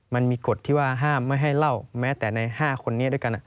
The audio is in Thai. มันมีกฎที่ว่าห้ามไม่ให้เล่าแม้แต่ใน๕คนนี้ด้วยกัน